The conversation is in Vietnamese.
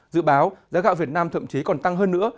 dự báo giá gạo việt nam thậm chí còn tăng hơn nữa